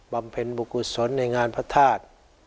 ำเพ็ญบุกุศลในงานพระธาตุ